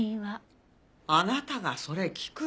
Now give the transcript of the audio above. あなたがそれ聞く？